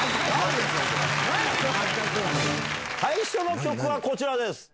最初の曲はこちらです。